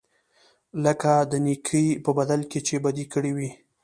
لکه د نېکۍ په بدل کې چې بدي کړې وي.